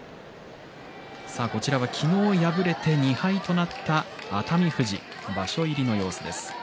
こちらは昨日敗れて２敗となった熱海富士場所入りの様子です。